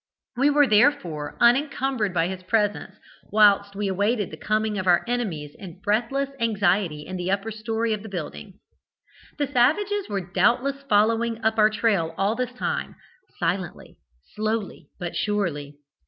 We were, therefore, unincumbered by his presence whilst we awaited the coming of our enemies in breathless anxiety in the upper story of the building. "The savages were doubtless following up our trail all this time, silently, slowly, but surely.